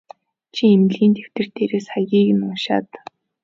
Чиний эмнэлгийн дэвтэр дээрээс хаягийг чинь уншаад.